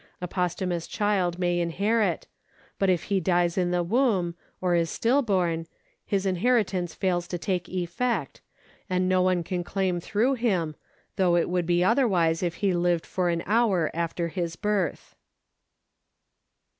A post humous child may inherit ; but if he dies in the womb, or is stillborn, his inheritance fails to take effect, and no one can claim through him, though it would be otherwise if he lived for an hour after his birth.